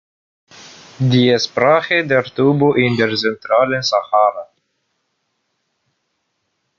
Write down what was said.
"Die Sprache der Tubu in der zentralen Sahara".